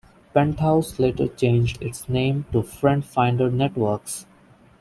Penthouse later changed its name to FriendFinder Networks.